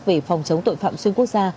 về phòng chống tội phạm xuyên quốc gia